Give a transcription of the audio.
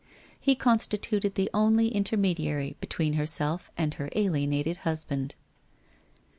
He constituted the only intermediary be tween herself and her alienated husband.